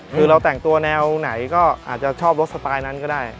คือเราแต่งตัวแนวไหนก็อาจจะชอบรถสไตล์นั้นก็ได้